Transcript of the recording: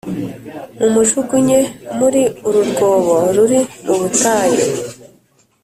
Mumujugunye muri uru rwobo ruri mu butayu